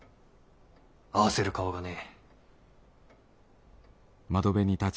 合わせる顔がねぇ。